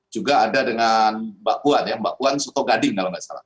juga ada dengan mbak kwan ya mbak kwan soto gading kalau nggak salah